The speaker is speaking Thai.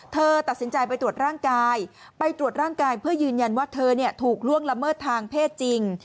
เธอตัดสินใจไปตรวจร่างกายไปตรวจร่างกายเพื่อยืนยันว่าเธอถูกล่วงละเมิดทางเพศจริง